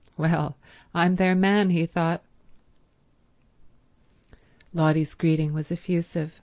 "Well, I'm their man," he thought. Lotty's greeting was effusive.